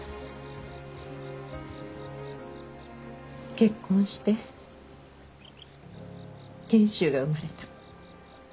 結婚して賢秀が生まれた。